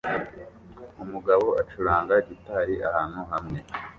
Umugabo acuranga gitari ahantu hamwe